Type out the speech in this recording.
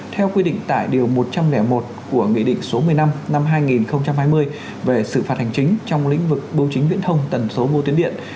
theo quy định tại điều một trăm linh một của nghị định số một mươi năm năm hai nghìn hai mươi về xử phạt hành chính trong lĩnh vực bưu chính viễn thông tần số vô tuyến điện